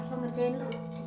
gua ngerjain lu